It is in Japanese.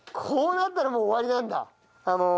こうなったらもう終わりなんだ。